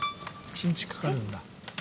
一日かかるんだ。